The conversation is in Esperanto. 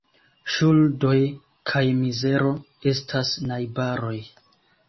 Ŝuldoj kaj mizero estas najbaroj.